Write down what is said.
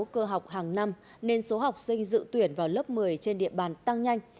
cơ học hàng năm nên số học sinh dự tuyển vào lớp một mươi trên địa bàn tăng nhanh